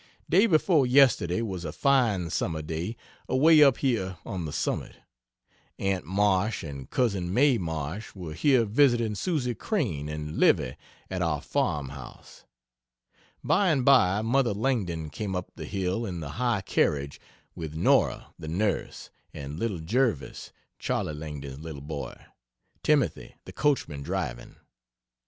Day before yesterday was a fine summer day away up here on the summit. Aunt Marsh and Cousin May Marsh were here visiting Susie Crane and Livy at our farmhouse. By and by mother Langdon came up the hill in the "high carriage" with Nora the nurse and little Jervis (Charley Langdon's little boy) Timothy the coachman driving.